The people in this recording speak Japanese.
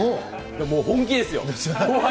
もう本気ですよ。